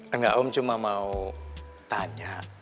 enggak om cuma mau tanya